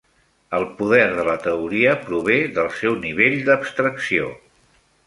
El poder de la teoria prové del seu nivell d'abstracció.